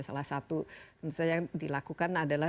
salah satu yang dilakukan adalah